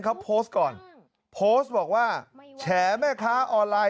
เขาโพสต์ก่อนโพสต์บอกว่าแฉแม่ค้าออนไลน์